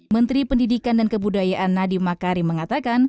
menteri pendidikan dan kebudayaan nadiem makarim mengatakan